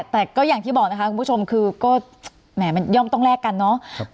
แต่ก็อย่างที่บอกนะคะคุณผู้ชมคือก็แหมมันย่อมต้องแลกกันเนาะ